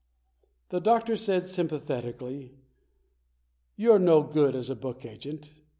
The doctor said sympathetically, "You're no good as a book agent.